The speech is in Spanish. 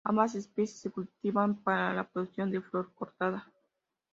Ambas especies se cultivan para la producción de flor cortada.